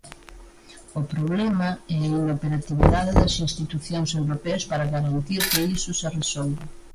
O problema é a inoperatividade das institucións europeas para garantir que iso se resolva.